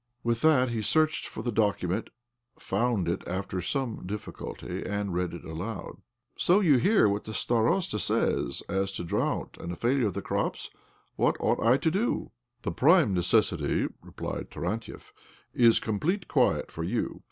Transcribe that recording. With that he searched for the document, found it after some difficulty, and read it aloud. " So you hear what the starosta says as to drought and a failure of the crops? What ought I to do ?"" The prime necessity," replied Tarantiev, " is complete quiet for you.